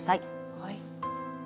はい。